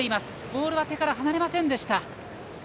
ボールは手から離れませんでした。